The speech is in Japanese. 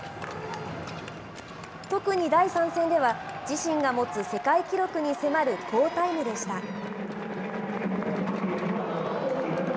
特に第３戦では、自身が持つ世界記録に迫る好タイムでした。